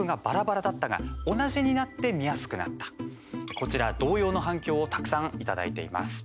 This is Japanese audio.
こちら同様の反響をたくさんいただいています。